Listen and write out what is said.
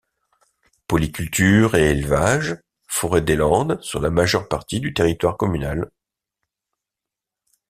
Polyculture et élevage, forêt des Landes sur la majeure partie du territoire communal.